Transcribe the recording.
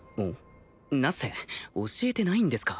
ナッセ教えてないんですか？